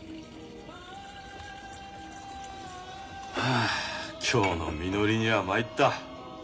はあ今日のみのりには参った。